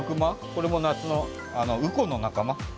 これも夏の、ウコンの仲間。